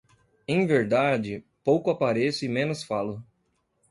Em verdade, pouco apareço e menos falo.